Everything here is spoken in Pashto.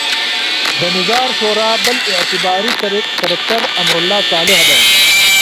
د نظار شورا بل اعتباري کرکټر امرالله صالح دی.